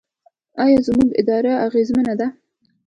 آیا زموږ اداره اغیزمنه ده؟